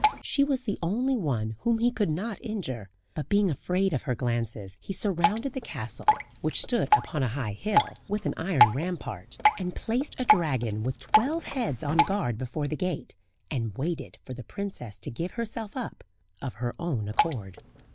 She was the only one whom he could not injure; but being afraid of her glances, he surrounded the castle which stood upon a high hill with an iron rampart, and placed a dragon with twelve heads on guard before the gate, and waited for the princess to give herself up of her own accord.